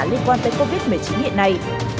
liên quan tới covid một mươi chín hiện nay